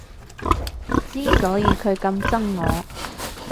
之所以佢咁憎我